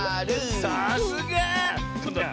さすが！